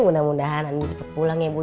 mudah mudahan andin cepet pulang ya bu